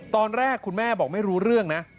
ตอนแรกคุณแม่บอกไม่รู้เรื่องนะ